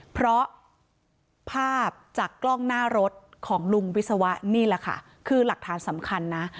เพราะภาพจากกล้องหน้ารถของลุงวิศวะนี่แหละค่ะคือหลักฐานสำคัญนะ